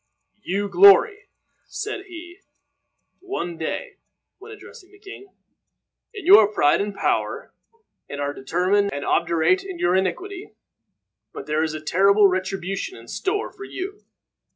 "You glory," said he, one day, when addressing the king, "in your pride and power, and are determined and obdurate in your iniquity. But there is a terrible retribution in store for you.